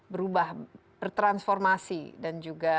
berubah bertransformasi dan juga